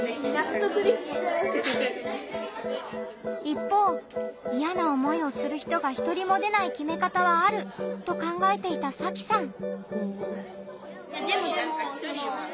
一方イヤな思いをする人が１人も出ない決め方はあると考えていたさきさん。